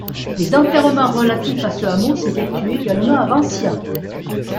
Les enterrements relatifs à ce hameau s'effectuaient également à Vancia.